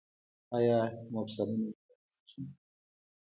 ایا مفصلونه مو دردیږي؟